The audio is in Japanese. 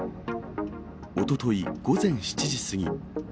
おととい午前７時過ぎ。